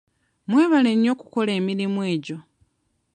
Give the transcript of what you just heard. Mwebale nnyo okukola emirimu egyo.